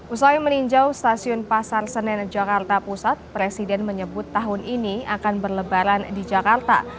usai meninjau stasiun pasar senen jakarta pusat presiden menyebut tahun ini akan berlebaran di jakarta